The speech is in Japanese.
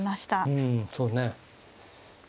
うんそうですね。